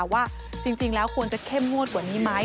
ว่าจริงแล้วควรจะเข้มงวดกว่านี้ไหม